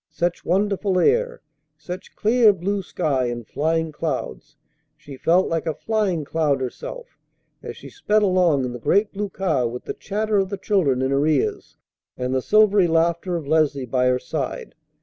Such wonderful air, such clear blue sky and flying clouds! She felt like a flying cloud herself as she sped along in the great blue car with the chatter of the children in her ears and the silvery laughter of Leslie by her side.